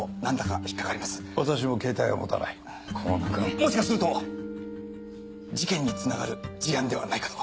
もしかすると事件につながる事案ではないかと。